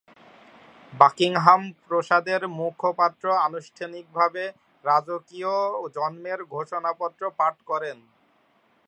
Buckingham প্রাসাদের মুখপত্র আনুষ্ঠানিকভাবে রাজকীয় জন্মের ঘোষণাপত্র পাঠ করেন।